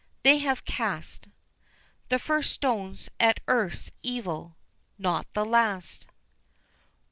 They have cast The first stones at earth's evil not the last.